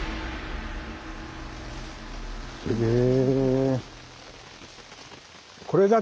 へえ。